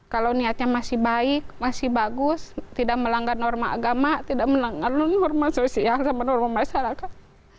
kalau niatnya masih baik masih bagus tidak melanggar norma agama tidak melanggar norma sosial seperti norma masyarakat